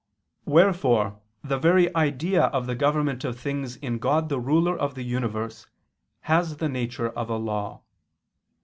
Wherefore the very Idea of the government of things in God the Ruler of the universe, has the nature of a law.